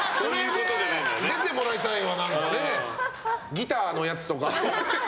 ギターのやつとか。